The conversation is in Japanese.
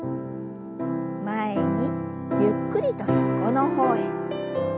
前にゆっくりと横の方へ。